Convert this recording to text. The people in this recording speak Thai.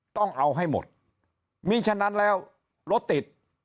ต้องเอาให้หมดมีฉะนั้นแล้วรถติด